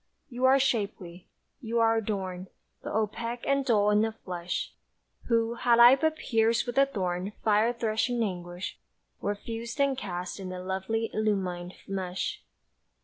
You are shapely, you are adorned, But opaque and dull in the flesh, Who, had I but pierced with the thorned Fire threshing anguish, were fused and cast In a lovely illumined mesh.